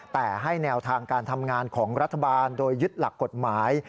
แต่ให้แนวทางการทำงานของรัฐบาลโดยยึดหลักกฎหมาย